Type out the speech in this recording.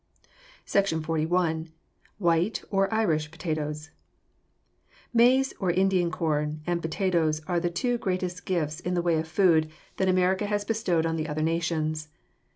SECTION XLI. WHITE, OR IRISH, POTATOES Maize, or Indian corn, and potatoes are the two greatest gifts in the way of food that America has bestowed on the other nations.